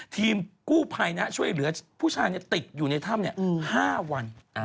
ทีมกู้ภัยช่วยเหลือผู้ชายติดอยู่ในถ้ำ๕วัน